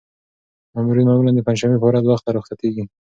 مامورین معمولاً د پنجشنبې په ورځ وخته رخصتېږي.